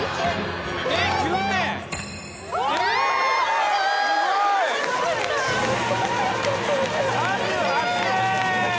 すごい！３８点！